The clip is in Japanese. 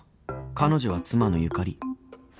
［彼女は妻のゆかり］